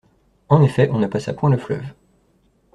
En effet, on ne passa point le fleuve.